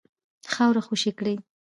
خاوره خوشي کړي.